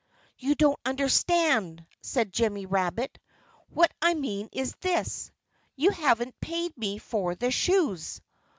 "You don't understand," said Jimmy Rabbit. "What I mean is this: You haven't paid me for the shoes."